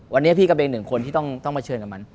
วันนี้พี่ก็เป็นหนึ่งคนที่ต้องมาเชิญกับมัน